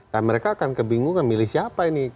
nah mereka akan kebingungan milih siapa ini